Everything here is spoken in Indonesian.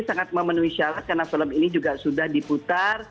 sangat memenuhi syarat karena film ini juga sudah diputar